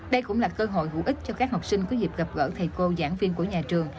đây cũng là cơ hội hữu ích cho các học sinh có dịp gặp gỡ thầy cô giảng viên của nhà trường